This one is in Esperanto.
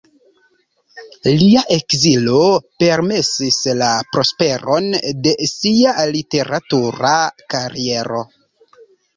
Lia ekzilo permesis la prosperon de sia literatura kariero.